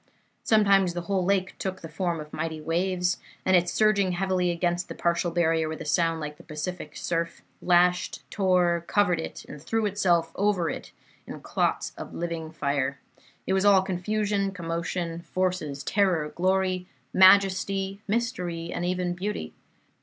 Sometimes the whole lake took the form of mighty waves, and, surging heavily against the partial barrier with a sound like the Pacific surf, lashed, tore, covered it, and threw itself over it in clots of living fire. It was all confusion, commotion, forces, terror, glory, majesty, mystery, and even beauty.